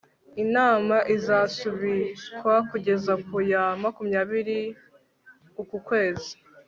inama izasubikwa kugeza ku ya makumya biri uku kwezi